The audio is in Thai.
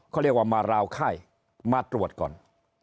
เขาเรียกว่ามาราวไข้มาตรวจก่อน